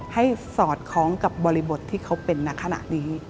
สอดคล้องกับบริบทที่เขาเป็นนักขณะนี้